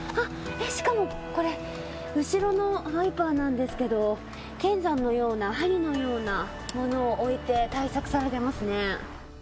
しかも、これ後ろのワイパーなんですが剣山のような針のようなものを置いて対策されていますね。